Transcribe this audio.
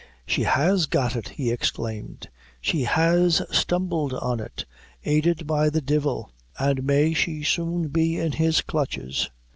"She has got it!" he exclaimed "she has stumbled on it, aided by the devil' an' may she soon be in his clutches!